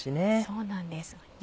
そうなんですよね。